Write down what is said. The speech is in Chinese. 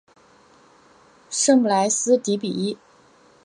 圣布莱斯迪比伊。